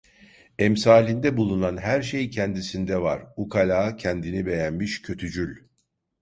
Emsalinde bulunan her şey kendisinde var: Ukala, kendini beğenmiş, kötücül…